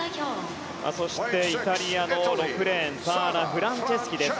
そして、イタリアの６レーンサーラ・フランチェスキです。